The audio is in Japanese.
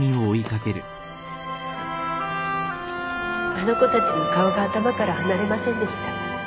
あの子たちの顔が頭から離れませんでした